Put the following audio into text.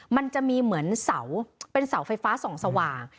มันจะมีเหมือนเสาเป็นเสาไฟฟ้าส่องสว่าง